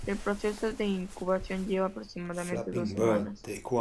El proceso de incubación lleva aproximadamente dos semanas.